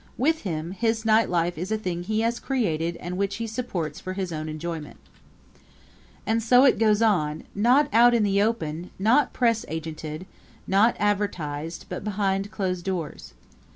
With him his night life is a thing he has created and which he supports for his own enjoyment. And so it goes on not out in the open; not press agented; not advertised; but behind closed doors.